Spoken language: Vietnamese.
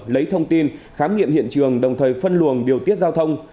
lấy thông tin khám nghiệm hiện trường đồng thời phân luồng điều tiết giao thông